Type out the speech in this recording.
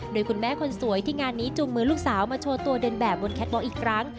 โดยคุณแม่คนสวยที่งานนี้จุงมือลูกสาวมาโชว์ตัวเดินแบบบนแคทวอล์อีกครั้ง